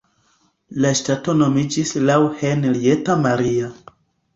La ŝtato nomiĝis laŭ Henrietta Maria.